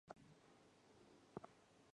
阿尔泰莴苣是菊科莴苣属的植物。